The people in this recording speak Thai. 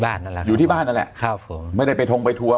นั่นแหละอยู่ที่บ้านนั่นแหละครับผมไม่ได้ไปทงไปทัวร์